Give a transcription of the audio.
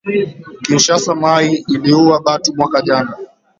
Kinshasa mayi iliuwa batu mwaka jana